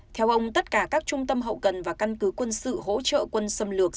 theo ông tất cả các trung tâm hậu cần và căn cứ quân sự hỗ trợ quân xâm lược